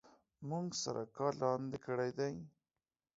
مونږ سږ کال لاندي کړي دي